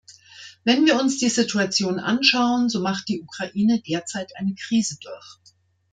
Wenn wir uns die Situation anschauen, so macht die Ukraine derzeit eine Krise durch.